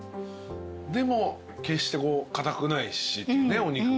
でも決してかたくないしお肉も。